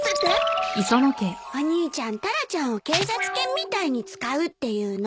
お兄ちゃんタラちゃんを警察犬みたいに使うっていうの？